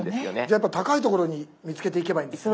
やっぱ高い所に見つけていけばいいんですね。